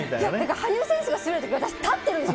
羽生選手が滑る時立ってるんです。